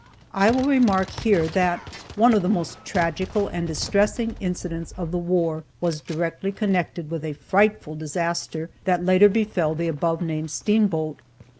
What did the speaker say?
I will remark here that one of the most tragical and distressing incidents of the war was directly connected with a frightful disaster that later befell the above named steamboat.